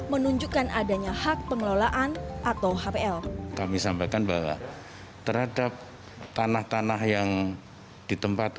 menunjukkan adanya hak pengelolaan atau hpl kami sampaikan bahwa terhadap tanah tanah yang di tempat